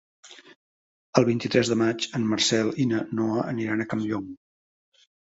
El vint-i-tres de maig en Marcel i na Noa aniran a Campllong.